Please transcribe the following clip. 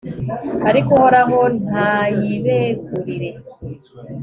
ariko uhoraho ntayibegurire